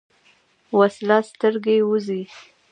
وسله سترګې وځي